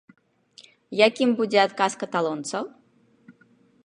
Якім будзе адказ каталонцаў?